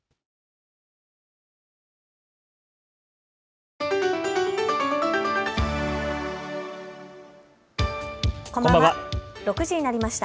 ６時になりました。